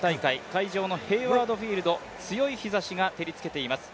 会場のヘイワード・フィールド、強い日ざしが照りつけています。